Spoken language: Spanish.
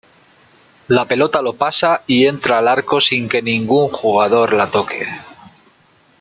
La pelota lo pasa y entra al arco sin que ningún jugador la toque.